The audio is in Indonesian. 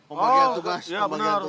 oh ya benar